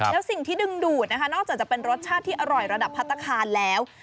แล้วสิ่งที่ดึงดูดนะคะนอกจากจะเป็นรสชาติที่อร่อยระดับพัฒนาคารแล้ว